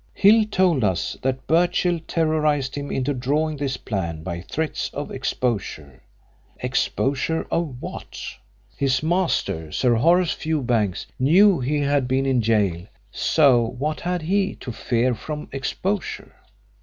Hill told us that Birchill terrorised him into drawing this plan by threats of exposure. Exposure of what? His master, Sir Horace Fewbanks, knew he had been in gaol, so what had he to fear from exposure?